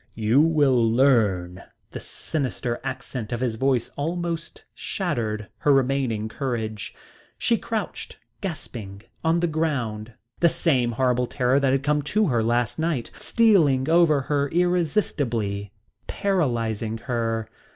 "You will learn." The sinister accent of his voice almost shattered her remaining courage. She crouched, gasping, on the ground, the same horrible terror that had come to her last night stealing over her irresistibly, paralysing her.